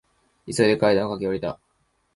急いで階段を駆け下りた。